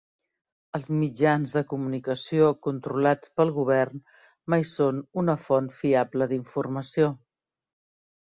El mitjans de comunicació controlats pel govern mai són una font fiable d'informació.